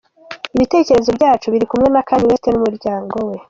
Ibitekerezo byacu biri kumwe na Kanye West n’umuryango we.